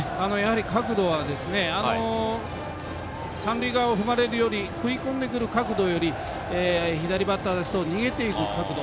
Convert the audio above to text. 角度は三塁側を踏まれるより食い込んでくる角度より逃げていく角度